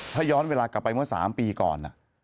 ถ้าย้อนเวลากลับไปเมื่อ๓ปีก่อน